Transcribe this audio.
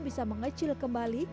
bisa mengecil kembali